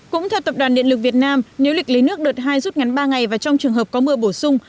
cũng theo tập đoàn điện lực việt nam nếu lịch lấy nước đợt hai rút ngắn ba ngày và trong trường hợp có mưa bổ sung